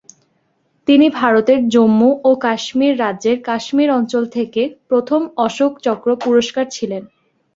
তিনি ভারতের জম্মু ও কাশ্মীর রাজ্যের কাশ্মীর অঞ্চল থেকে প্রথম অশোক চক্র পুরস্কার ছিলেন।